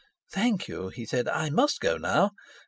"Thank you," he said; "I must go now.